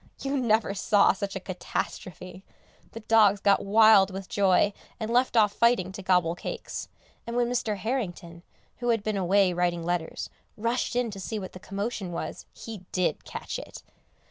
You never saw such a catastrophe! The dogs got quite wild with joy, and left off fighting to gobble cakes, and when Mr. Harrington, who had been away writing letters, rushed in to see what the commotion was, he did catch it!